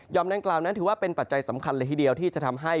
ดังกล่าวนั้นถือว่าเป็นปัจจัยสำคัญเลยทีเดียวที่จะทำให้